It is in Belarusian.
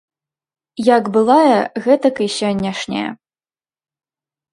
Як былая, гэтак і сённяшняя.